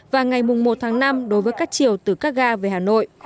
và ngày một tháng năm đối với các chiều từ các ga về hà nội